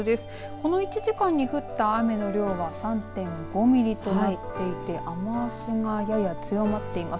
この１時間に降った雨の量は３．５ミリとなっていて雨足がやや強まっています。